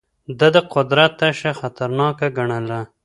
ده د قدرت تشه خطرناکه ګڼله.